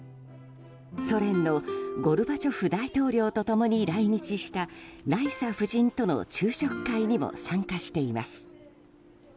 ソ連のゴルバチョフ大統領と共に来日したライサ夫人との昼食会にも参加しています。